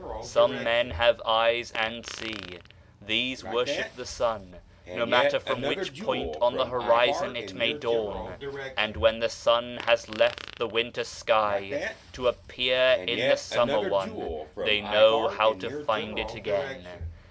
Some men have eyes and see. These worship the sun, no matter from which point on the horizon it may dawn ; and when the sun has left the winter sky to appear in the summer one, they know how to find it again.